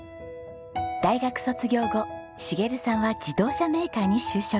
大学卒業後茂さんは自動車メーカーに就職。